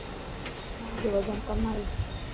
مانجو وزن ڪم ائي.